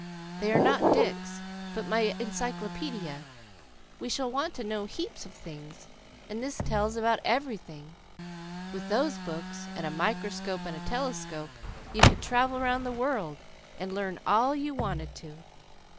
"They are not dics, but my Encyclopedia. We shall want to know heaps of things, and this tells about everything. With those books, and a microscope and a telescope, you could travel round the world, and learn all you wanted to.